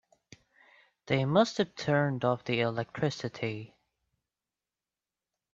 They must have turned off the electricity.